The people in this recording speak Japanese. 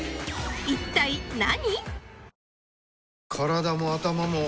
一体何？